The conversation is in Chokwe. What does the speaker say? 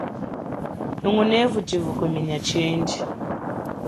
Hingunevu chivukuminya chindji.